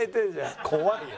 怖いよ。